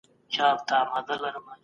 د ماسپښین قیلوله سنت ده.